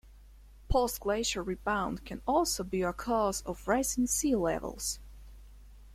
Post-glacial rebound can also be a cause of rising sea levels.